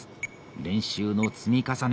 練習の積み重ね